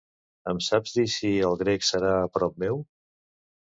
Em saps dir si "El Grec" serà a prop meu?